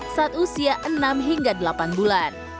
saat usia enam hingga delapan bulan